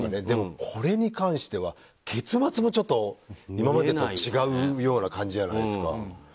でも、これに関しては結末もちょっと今までと違うような感じじゃないですか。